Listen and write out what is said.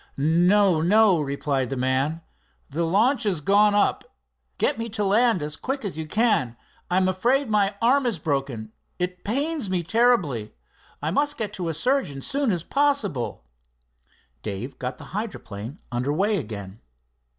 "No, no," replied the man. "The launch is gone up. Get me to land quick as you can. I'm afraid my arm is broken. It pains me terribly. I must get to a surgeon soon as possible." Dave got the hydroplane under way again.